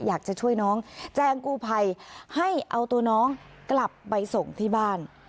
อยากจะช่วยน้องแจ้งกู้ภัยให้เอาตัวน้องกลับไปส่งที่บ้าน